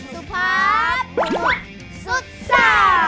สุภาพสุศา